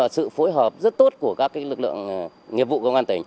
sự phối hợp rất tốt của các lực lượng nghiệp vụ công an tỉnh